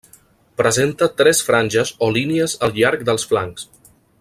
Presenta tres franges o línies al llarg dels flancs.